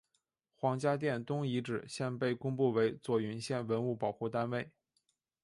黄家店东遗址现被公布为左云县文物保护单位。